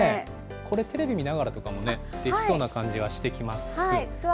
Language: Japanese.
これ、テレビ見ながらとかも、できそうな感じはしてきます。